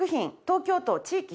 東京都地域